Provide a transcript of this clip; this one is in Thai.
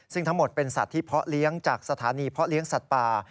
ซึ่งทั้งหมดเป็นสัตว์ที่เพาะเลี้ยงจากสถานีเพาะเลี้ยงสัตว์ป่า